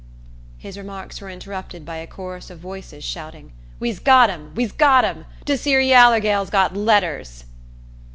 His remarks were interrupted by a chorus of voices shouting, "We's got 'em! We's got 'em! Dis 'ere yaller gal's got letters!"